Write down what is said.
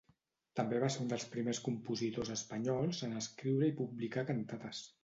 També va ser un dels primers compositors espanyols en escriure i publicar cantates.